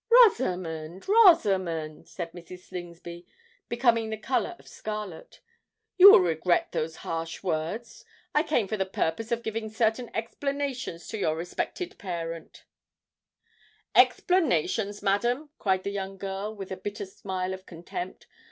"Rosamond—Rosamond," said Mrs. Slingsby, becoming the colour of scarlet, "you will regret those harsh words. I came for the purpose of giving certain explanations to your respected parent——" "Explanations, madam!" cried the young girl, with a bitter smile of contempt.